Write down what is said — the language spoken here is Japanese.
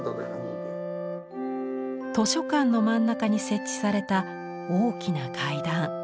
図書館の真ん中に設置された大きな階段。